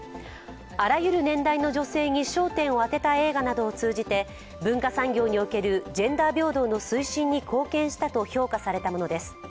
あらゆる年代の女性に焦点を当てた映画などを通じて文化産業におけるジェンダー平等の推進に貢献したと評価されたものです。